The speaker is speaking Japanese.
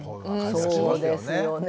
そうですよね。